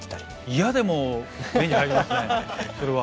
いやでも目に入りますねそれは。